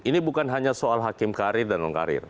ini bukan hanya soal hakim karir dan non karir